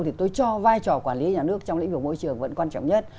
thì tôi cho vai trò quản lý nhà nước trong lĩnh vực môi trường vẫn quan trọng nhất